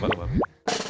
duh ini malu